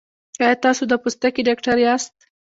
ایا تاسو د پوستکي ډاکټر یاست؟